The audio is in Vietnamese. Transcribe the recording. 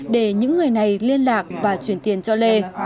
để những người này liên lạc và chuyển tiền cho lê